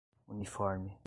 uniforme